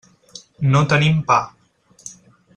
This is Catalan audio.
No tenim pa.